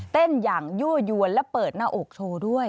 อย่างยั่วยวนและเปิดหน้าอกโชว์ด้วย